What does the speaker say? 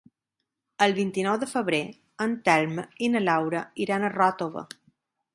El vint-i-nou de febrer en Telm i na Laura iran a Ròtova.